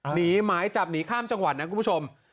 หมายจับหนีข้ามจังหวัดนะคุณผู้ชม